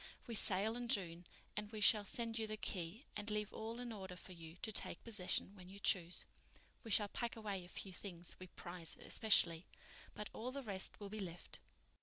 We sail in June and we shall send you the key, and leave all in order for you to take possession when you choose. We shall pack away a few things we prize especially, but all the rest will be left."